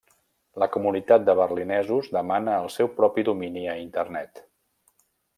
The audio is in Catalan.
La comunitat de berlinesos demana el seu propi domini a Internet.